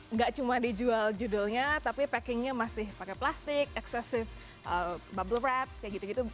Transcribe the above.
nggak cuma dijual judulnya tapi packingnya masih pakai plastik excessive bubble wraps kayak gitu gitu